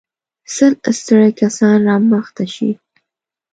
سل ستړي کسان را مخته شئ.